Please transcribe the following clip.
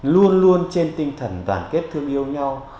luôn luôn trên tinh thần đoàn kết thương yêu nhau